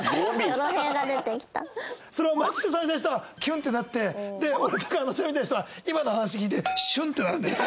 それを松下さんみたいな人はキュンってなって俺とかあのちゃんみたいな人は今の話聞いてシュンってなるんだよね。